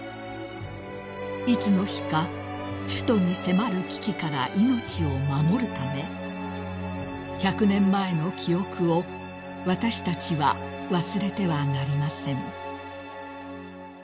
［いつの日か首都に迫る危機から命を守るため１００年前の記憶を私たちは忘れてはなりません］